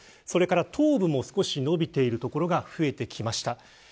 それから東部も少し伸びている所が増えてきました。